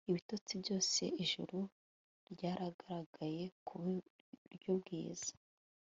Ibitotsi byose ijuru ryaragaragayekuburyo bwiza